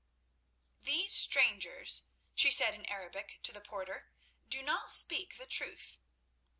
"These strangers," she said in Arabic to the porter, "do not speak the truth."